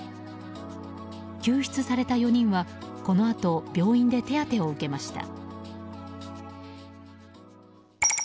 救出された４人はこのあと、病院で手当てを受けました。